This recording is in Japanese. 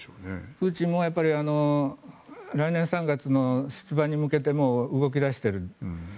プーチンも来年３月の出馬に向けて動き出している。